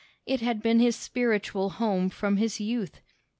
It had been his spiritual home from his youth.